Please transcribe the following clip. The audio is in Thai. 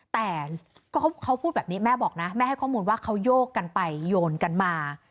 แต่เขาพูดแบบนี้แม่บอกนะแม่ให้ข้อมูลว่าเขาโยกกันไปโยนกันมา